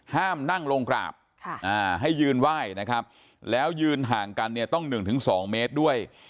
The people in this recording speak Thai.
ห้ามนั่งลงกราบให้ยืนไหว้นะครับแล้วยืนห่างกันเนี่ยต้อง๑๒เมตรด้วย